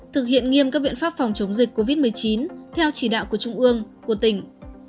thực hiện nghiêm các biện pháp phòng chống dịch covid một mươi chín theo chỉ đạo của trung ương của tỉnh